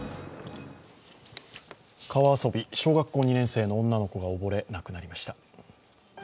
川遊び、小学校２年生の女の子が溺れました。